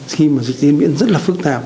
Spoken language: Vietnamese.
khi mà dịch tiến biến rất là phức tạp